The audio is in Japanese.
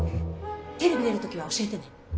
テレビ出るときは教えてね。